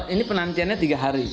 ini penantiannya tiga hari